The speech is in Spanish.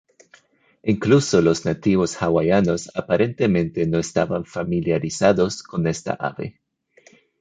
Incluso los nativos hawaianos aparentemente no estaban familiarizados con esta ave.